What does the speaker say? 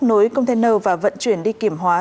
nối container và vận chuyển đi kiểm hóa